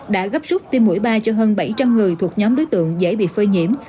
đã gấp rút tiêm mũi ba cho hơn bảy trăm linh người thuộc nhóm đối tượng dễ bị phơi nhiễm